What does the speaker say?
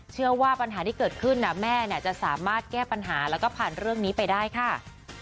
เชื่อว่าปัญหาที่เกิดขึ้นแม่จะสามารถแก้ปัญหาแล้วก็ผ่านเรื่องนี้ไปได้ค่ะ